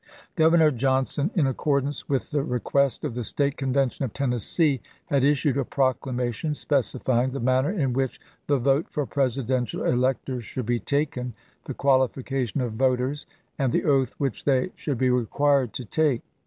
Gov ernor Johnson, in accordance with the request of the State Convention of Tennessee, had issued a a 4 ' Sept. 30, proclamation specifying the manner in which the 1864 vote for Presidential electors should be taken, the qualification of voters, and the oath which they should be required to take.